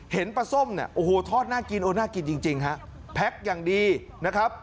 เห็นปลาส้มโอ้โหทอดน่ากินโอ้โหน่ากินจริงฮะแพ็กอย่างดีนะครับ